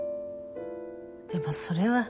でもそれははい。